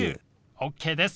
ＯＫです。